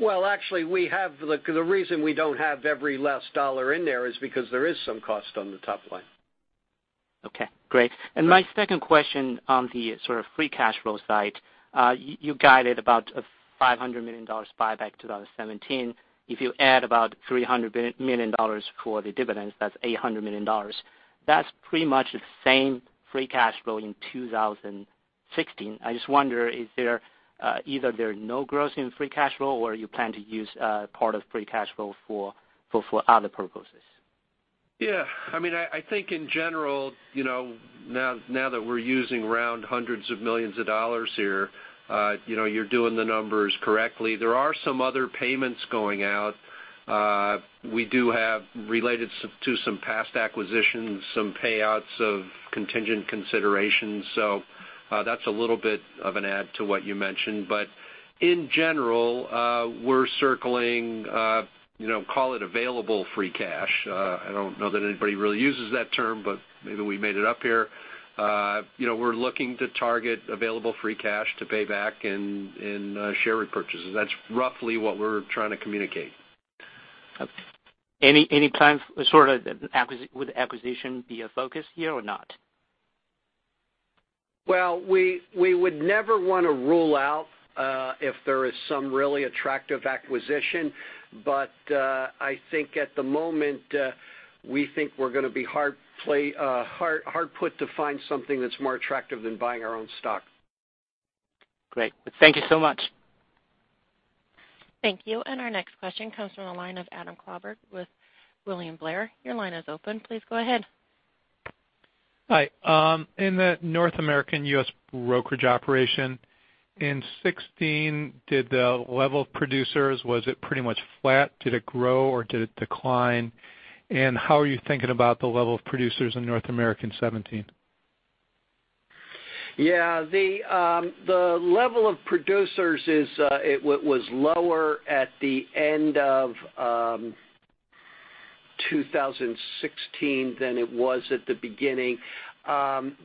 Well, actually, the reason we don't have every last dollar in there is because there is some cost on the top line. Okay, great. My second question on the sort of free cash flow side. You guided about a $500 million buyback 2017. If you add about $300 million for the dividends, that's $800 million. That's pretty much the same free cash flow in 2016. I just wonder either there is no growth in free cash flow or you plan to use part of free cash flow for other purposes. Yeah. I think in general, now that we're using around hundreds of millions of dollars here, you're doing the numbers correctly. There are some other payments going out. We do have, related to some past acquisitions, some payouts of contingent considerations. That's a little bit of an add to what you mentioned. In general, we're circling, call it available free cash. I don't know that anybody really uses that term, but maybe we made it up here. We're looking to target available free cash to pay back in share repurchases. That's roughly what we're trying to communicate. Okay. Any plan sort of would acquisition be a focus here or not? Well, we would never want to rule out if there is some really attractive acquisition. I think at the moment, we think we're going to be hard-put to find something that's more attractive than buying our own stock. Great. Thank you so much. Thank you. Our next question comes from the line of Adam Klauber with William Blair. Your line is open. Please go ahead. Hi. In the North American U.S. brokerage operation in 2016, did the level of producers, was it pretty much flat? Did it grow or did it decline? How are you thinking about the level of producers in North America in 2017? Yeah. The level of producers was lower at the end of 2016 than it was at the beginning.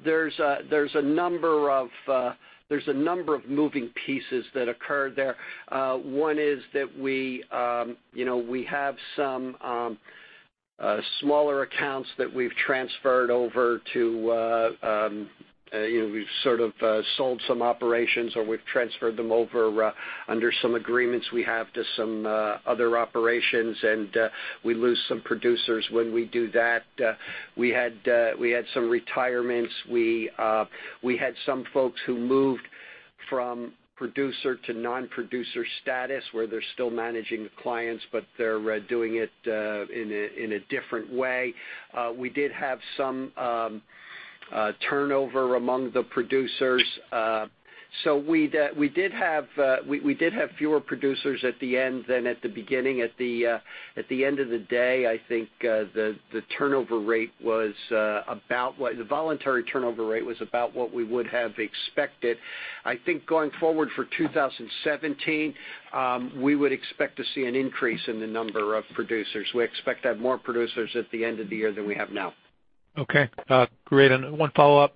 There's a number of moving pieces that occurred there. One is that we have some smaller accounts that we've transferred over. We've sort of sold some operations or we've transferred them over under some agreements we have to some other operations, and we lose some producers when we do that. We had some retirements. We had some folks who moved from producer to non-producer status, where they're still managing the clients, but they're doing it in a different way. We did have some turnover among the producers. We did have fewer producers at the end than at the beginning. At the end of the day, I think the voluntary turnover rate was about what we would have expected. I think going forward for 2017, we would expect to see an increase in the number of producers. We expect to have more producers at the end of the year than we have now. Okay. Great. One follow-up.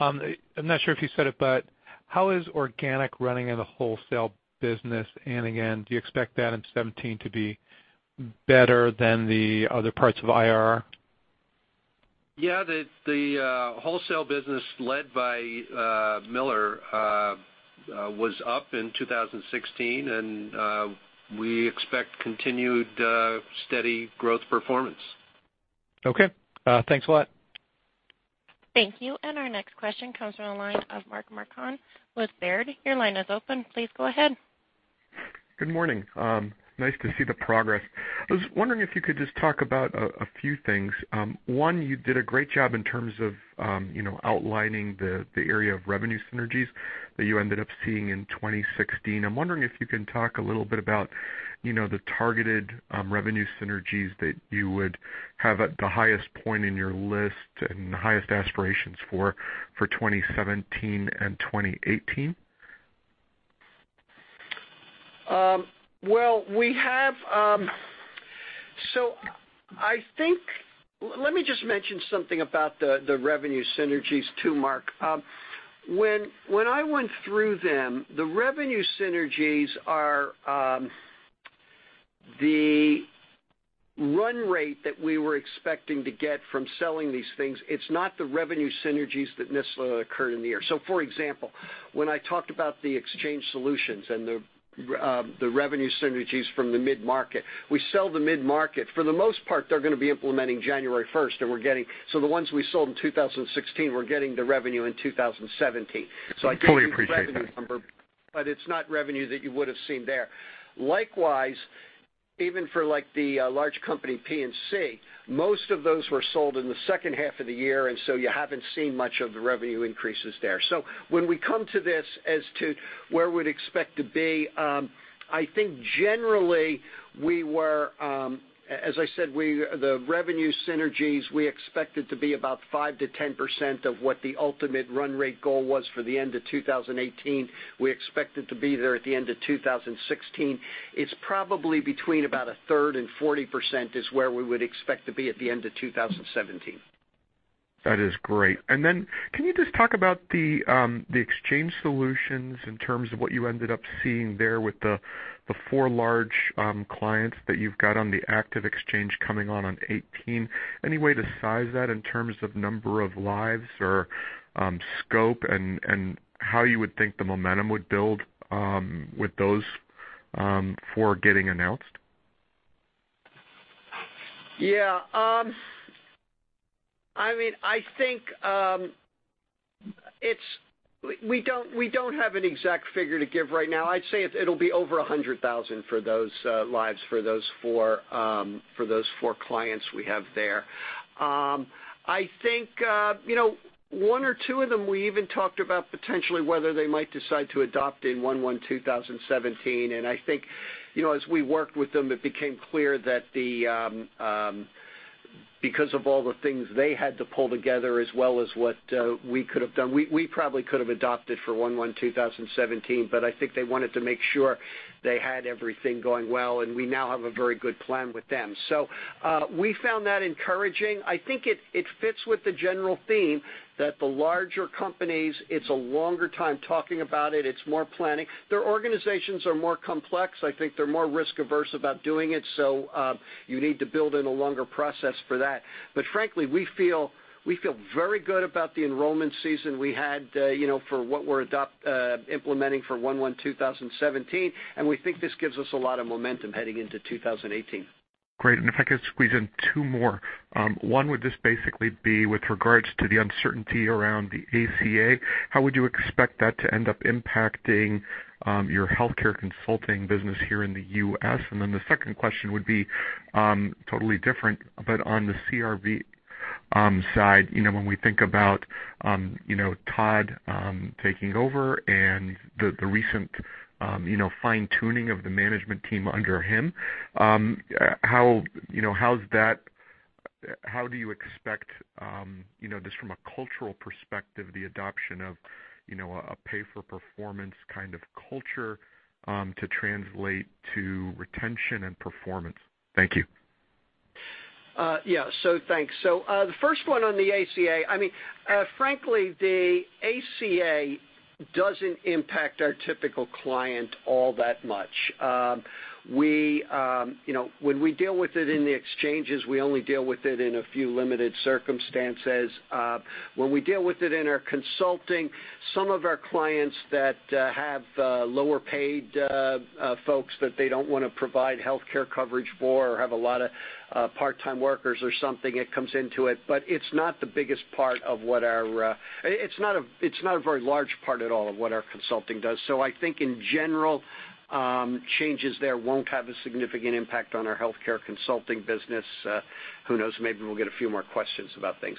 I'm not sure if you said it, but how is organic running in the wholesale business? Again, do you expect that in 2017 to be better than the other parts of IRR? The wholesale business led by Miller was up in 2016, and we expect continued steady growth performance. Okay. Thanks a lot. Thank you. Our next question comes from the line of Mark Marcon with Baird. Your line is open. Please go ahead. Good morning. Nice to see the progress. I was wondering if you could just talk about a few things. One, you did a great job in terms of outlining the area of revenue synergies that you ended up seeing in 2016. I'm wondering if you can talk a little bit about the targeted revenue synergies that you would have at the highest point in your list and the highest aspirations for 2017 and 2018. Well, let me just mention something about the revenue synergies too, Mark. When I went through them, the revenue synergies are the run rate that we were expecting to get from selling these things. It's not the revenue synergies that necessarily occurred in the year. For example, when I talked about the Exchange Solutions and the revenue synergies from the mid-market, we sell the mid-market. For the most part, they're going to be implementing January 1st, so the ones we sold in 2016, we're getting the revenue in 2017. Totally appreciate that. I gave you the revenue number, but it's not revenue that you would have seen there. Likewise, even for the large company P&C, most of those were sold in the second half of the year, you haven't seen much of the revenue increases there. When we come to this as to where we'd expect to be, I think generally, as I said, the revenue synergies, we expect it to be about 5%-10% of what the ultimate run rate goal was for the end of 2018. We expect it to be there at the end of 2016. It's probably between about a third and 40% is where we would expect to be at the end of 2017. That is great. Can you just talk about the Exchange Solutions in terms of what you ended up seeing there with the four large clients that you've got on the active exchange coming on on 2018? Any way to size that in terms of number of lives or scope and how you would think the momentum would build with those four getting announced? We don't have an exact figure to give right now. I'd say it'll be over 100,000 for those lives for those four clients we have there. I think one or two of them we even talked about potentially whether they might decide to adopt in 1/1/2017, and I think as we worked with them, it became clear that because of all the things they had to pull together as well as what we could have done, we probably could have adopted for 1/1/2017, but I think they wanted to make sure they had everything going well, and we now have a very good plan with them. We found that encouraging. I think it fits with the general theme that the larger companies, it's a longer time talking about it. It's more planning. Their organizations are more complex. I think they're more risk averse about doing it, so you need to build in a longer process for that. Frankly, we feel very good about the enrollment season we had for what we're implementing for 1/1/2017, and we think this gives us a lot of momentum heading into 2018. Great. If I could squeeze in two more. One would just basically be with regards to the uncertainty around the ACA. How would you expect that to end up impacting your healthcare consulting business here in the U.S.? The second question would be totally different. On the CRB side, when we think about Todd taking over and the recent fine-tuning of the management team under him, how do you expect this from a cultural perspective, the adoption of a pay-for-performance kind of culture to translate to retention and performance? Thank you. Yeah. Thanks. The first one on the ACA, frankly the ACA doesn't impact our typical client all that much. When we deal with it in the exchanges, we only deal with it in a few limited circumstances. When we deal with it in our consulting, some of our clients that have lower paid folks that they don't want to provide healthcare coverage for or have a lot of part-time workers or something, it comes into it, but it's not a very large part at all of what our consulting does. I think in general changes there won't have a significant impact on our healthcare consulting business. Who knows, maybe we'll get a few more questions about things.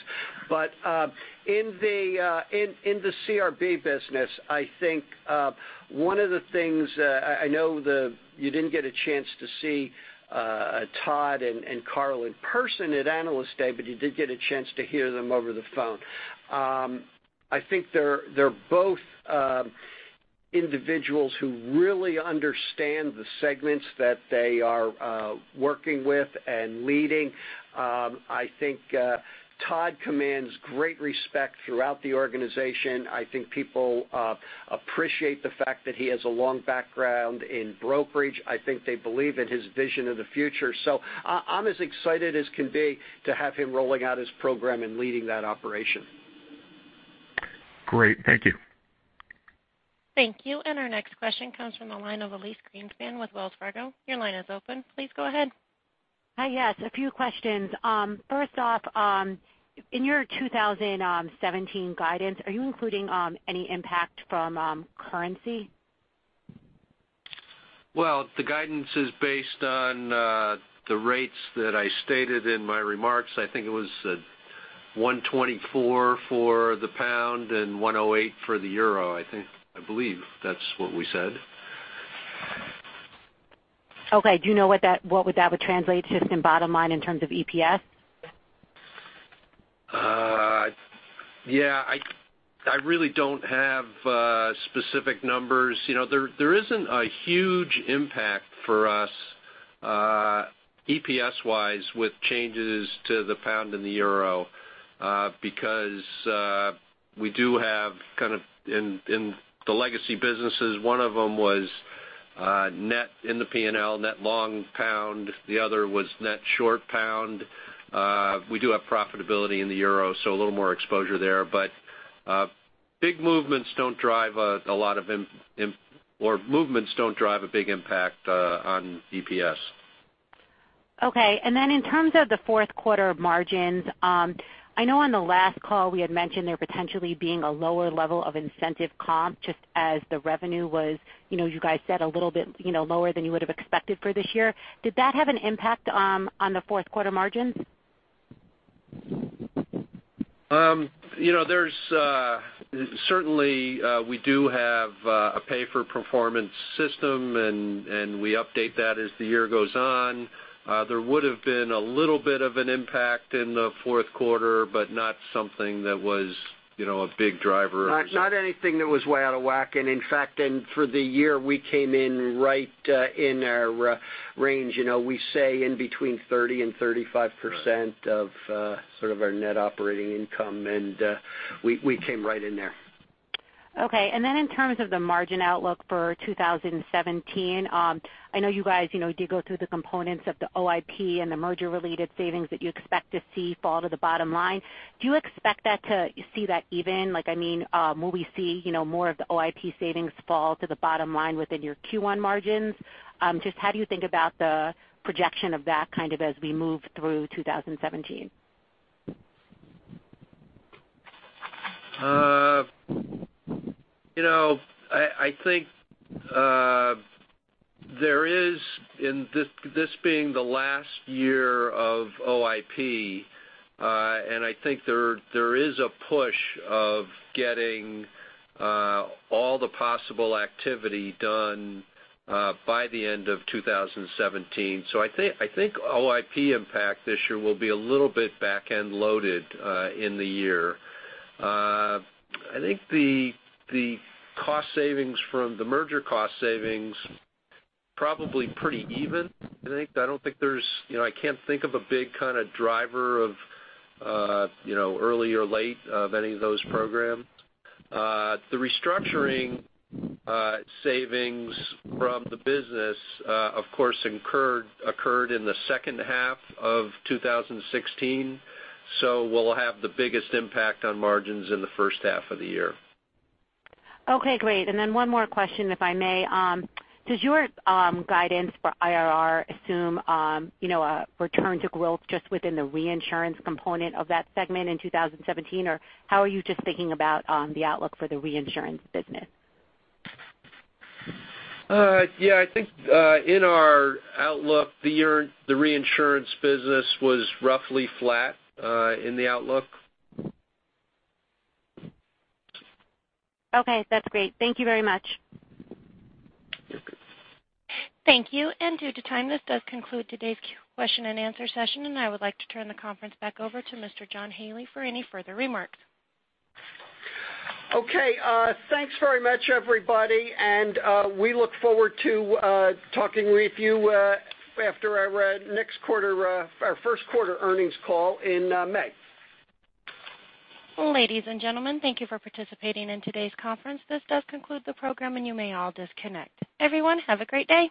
In the CRB business, I know you didn't get a chance to see Todd and Carl in person at Analyst Day, but you did get a chance to hear them over the phone. I think they're both individuals who really understand the segments that they are working with and leading. I think Todd commands great respect throughout the organization. I think people appreciate the fact that he has a long background in brokerage. I think they believe in his vision of the future. I'm as excited as can be to have him rolling out his program and leading that operation. Great. Thank you. Thank you. Our next question comes from the line of Elyse Greenspan with Wells Fargo. Your line is open. Please go ahead. Hi. Yes, a few questions. First off, in your 2017 guidance, are you including any impact from currency? Well, the guidance is based on the rates that I stated in my remarks. I think it was $1.24 for the GBP and $1.08 for the EUR. I believe that's what we said. Okay. Do you know what that would translate to in bottom line in terms of EPS? Yeah. I really don't have specific numbers. There isn't a huge impact for us EPS-wise with changes to the pound and the euro, because we do have kind of in the legacy businesses, one of them was net in the P&L, net long pound, the other was net short pound. We do have profitability in the euro, so a little more exposure there, but movements don't drive a big impact on EPS. Okay. Then in terms of the fourth quarter margins, I know on the last call, we had mentioned there potentially being a lower level of incentive comp just as the revenue was, you guys said a little bit lower than you would've expected for this year. Did that have an impact on the fourth quarter margins? Certainly we do have a pay for performance system, and we update that as the year goes on. There would've been a little bit of an impact in the fourth quarter, but not something that was a big driver. Not anything that was way out of whack, and in fact, and for the year, we came in right in our range. We say in between 30% and 35% of sort of our net operating income, and we came right in there. Okay. Then in terms of the margin outlook for 2017, I know you guys did go through the components of the OIP and the merger-related savings that you expect to see fall to the bottom line. Do you expect to see that even, like, I mean, will we see more of the OIP savings fall to the bottom line within your Q1 margins? Just how do you think about the projection of that kind of as we move through 2017? I think this being the last year of OIP, I think there is a push of getting all the possible activity done by the end of 2017. I think OIP impact this year will be a little bit back-end loaded in the year. I think the merger cost savings probably pretty even, I think. I can't think of a big kind of driver of early or late of any of those programs. The restructuring savings from the business, of course, occurred in the second half of 2016. Will have the biggest impact on margins in the first half of the year. Okay, great. Then one more question, if I may. Does your guidance for IRR assume a return to growth just within the reinsurance component of that segment in 2017? How are you just thinking about the outlook for the reinsurance business? Yeah, I think in our outlook, the reinsurance business was roughly flat in the outlook. Okay. That's great. Thank you very much. Thank you. Due to time, this does conclude today's question and answer session, and I would like to turn the conference back over to Mr. John Haley for any further remarks. Okay. Thanks very much, everybody, and we look forward to talking with you after our first quarter earnings call in May. Ladies and gentlemen, thank you for participating in today's conference. This does conclude the program, and you may all disconnect. Everyone, have a great day.